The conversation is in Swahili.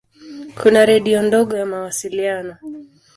Kuna redio ndogo ya mawasiliano.